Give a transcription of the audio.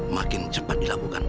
makin cepat dilakukan